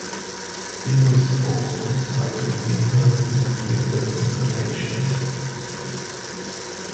People's souls reside within her in between their incarnations.